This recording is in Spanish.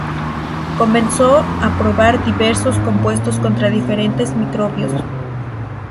Comenzó a probar diversos compuestos contra diferentes microbios.